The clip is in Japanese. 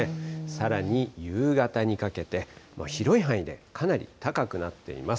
さらに夕方にかけて、広い範囲でかなり高くなっています。